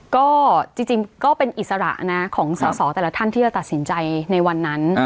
ก็จริงก็เป็นอิสระนะของสอสอแต่ละท่านที่จะตัดสินใจในวันนั้น